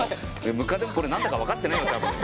ムカデこれ何だかわかってないわ多分。